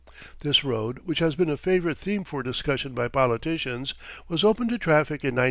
This road, which has been a favourite theme for discussion by politicians, was opened to traffic in 1905.